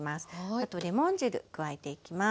あとレモン汁加えていきます。